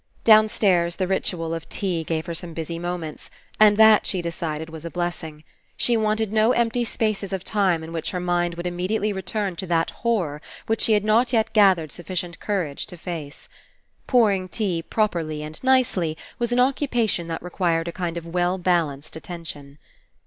Downstairs the ritual of tea gave her some busy moments, and that, she decided, was a blessing. She wanted no empty spaces of time in which her mind would immediately return to that horror which she had not yet gathered suf 164 FINALE ficient courage to face. Pouring tea properly and nicely was an occupation that required a kind of well balanced attention.